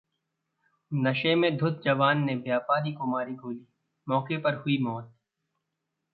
नशे में धुत जवान ने व्यापारी को मारी गोली, मौके पर हुई मौत